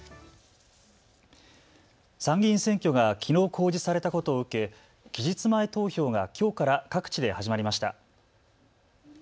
参議院選挙がきのう公示されたことを受け、期日前投票がきょうから各地で始まりました。